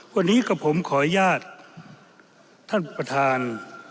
วันนี้กับผมขออนุญาตท่านประธาน